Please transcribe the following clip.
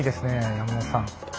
山本さん。